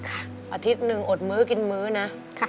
อาทิตย์หนึ่งอดมื้อกินมื้อนะ